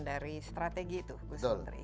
dari strategi itu gus menteri